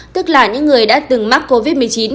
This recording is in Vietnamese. tức là những người đã từng mắc covid một mươi chín